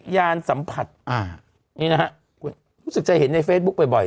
ยานสัมผัสนี่นะฮะรู้สึกจะเห็นในเฟซบุ๊คบ่อย